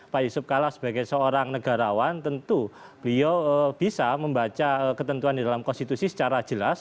pak yusuf kalla sebagai seorang negarawan tentu beliau bisa membaca ketentuan di dalam konstitusi secara jelas